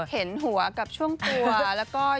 เห็นหัวกับช่วงตัวแล้วก็ยังไม่มีอะไรโผล่